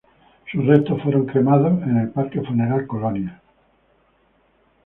Sus restos fueron cremados en el parque funeral Colonias.